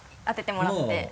当ててもらって。